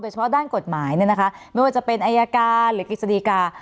เฉพาะด้านกฎหมายเนี่ยนะคะไม่ว่าจะเป็นอายการหรือกฤษฎีกา